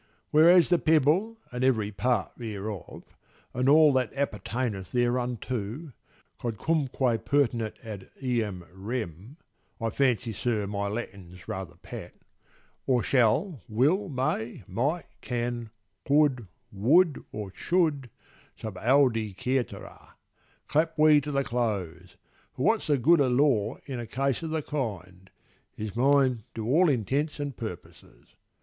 Whereas the pebble and every part thereof, And all that appertaineth thereunto, Quodcunque pertinet ad eam rem, (I fancy, sir, my Latin's rather pat) Or shall, will, may, might, can, could, would or should, (Subaudi cætera—clap we to the close— For what's the good of law in a case o' the kind) Is mine to all intents and purposes.